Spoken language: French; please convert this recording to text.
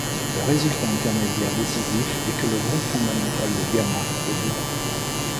Le résultat intermédiaire décisif est que le groupe fondamental de Γ est libre.